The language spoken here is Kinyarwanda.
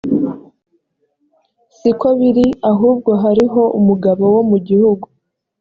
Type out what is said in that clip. si ko biri ahubwo hariho umugabo wo mu gihugu